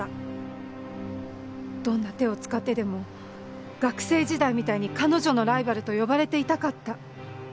どんな手を使ってでも学生時代みたいに彼女のライバルと呼ばれていたかった。